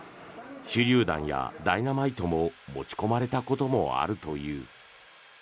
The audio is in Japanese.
手りゅう弾やダイナマイトも持ち込まれたこともあるという。